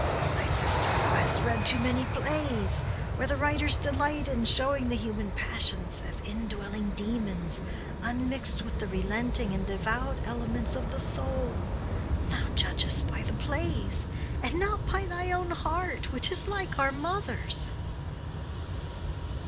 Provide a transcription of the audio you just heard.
"My sister, thou hast read too many plays, where the writers delight in showing the human passions as indwelling demons, unmixed with the relenting and devout elements of the soul. Thou judgest by the plays, and not by thy own heart, which is like our mother's."